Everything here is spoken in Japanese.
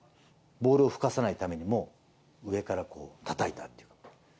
ボールをふかさないためにも、上からこうたたいたっていうこと。